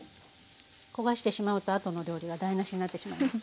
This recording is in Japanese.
焦がしてしまうとあとの料理が台なしになってしまいます。